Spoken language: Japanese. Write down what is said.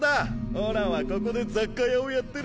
おらはここで雑貨屋をやってる。